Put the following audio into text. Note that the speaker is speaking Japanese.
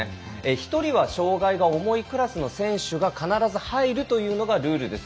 １人は障がいが重いクラスの選手が必ず入るというのがルールです。